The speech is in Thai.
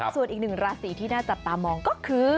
ส่วนอีกหนึ่งราศีที่น่าจับตามองก็คือ